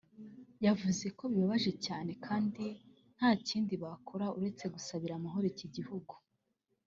yavuze ko bibabaje cyane kandi nta kindi bakora uretse gusabira amahoro iki gihugu